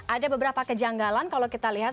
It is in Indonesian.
ada beberapa kejanggalan kalau kita lihat